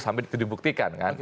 sampai itu dibuktikan kan